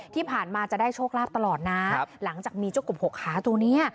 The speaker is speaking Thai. ที่ผ่านมาจะได้โชคลาภตลอดนะหลังจากมีเจ้ากบหกขาตัวนี้